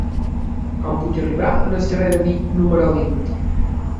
Com puc arribar al carrer de Vic número vint?